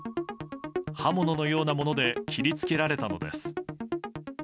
刃物のようなもので切り付けられたのです。